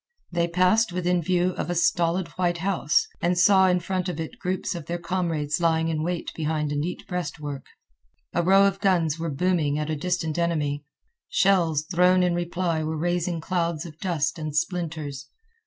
They passed within view of a stolid white house, and saw in front of it groups of their comrades lying in wait behind a neat breastwork. A row of guns were booming at a distant enemy. Shells thrown in reply were raising clouds of dust and splinters.